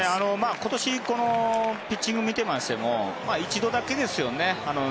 今年ピッチングを見ても１度だけですよね。